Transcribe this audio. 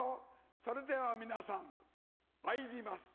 それでは皆さんまいります。